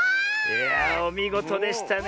いやおみごとでしたねえ。